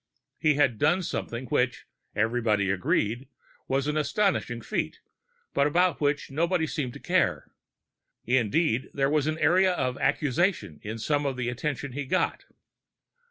He had done something which, everybody agreed, was an astonishing feat, but about which nobody seemed to care. Indeed, there was an area of accusation in some of the attention he got.